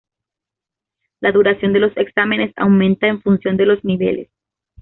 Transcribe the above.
La duración de los exámenes aumenta en función de los niveles.